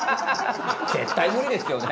絶対無理ですよね。